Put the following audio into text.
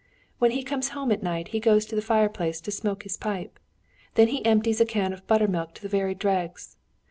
"When he comes home at night he goes to the fireplace to smoke his pipe; then he empties a can of buttermilk to the very dregs.